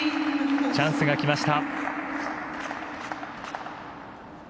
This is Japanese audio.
チャンスがきました。